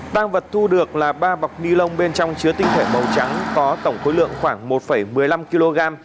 tăng vật thu được là ba bọc ni lông bên trong chứa tinh thể màu trắng có tổng khối lượng khoảng một một mươi năm kg